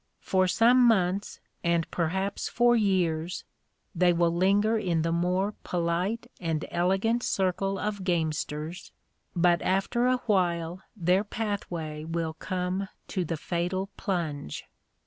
For some months and perhaps for years they will linger in the more polite and elegant circle of gamesters, but, after a while, their pathway will come to the fatal plunge.